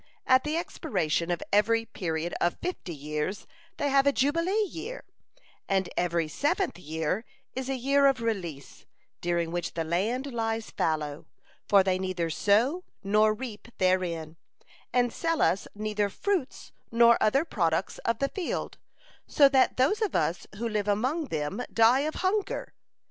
At the expiration of every period of fifty years they have a jubilee year, and every seventh year is a year of release, during which the land lies fallow, for they neither sow nor reap therein, and sell us neither fruits nor other products of the field, so that those of us who live among them die of hunger.